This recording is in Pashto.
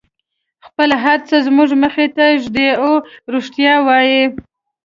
خپل هر څه زموږ مخې ته ږدي او رښتیا وایي.